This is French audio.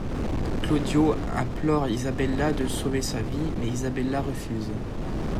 Claudio implore Isabella de sauver sa vie, mais Isabella refuse.